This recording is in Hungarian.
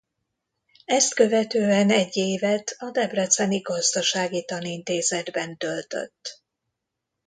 Ezt követően egy évet a Debreceni Gazdasági Tanintézetben töltött.